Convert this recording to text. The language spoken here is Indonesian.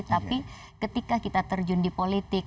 tapi ketika kita terjun di politik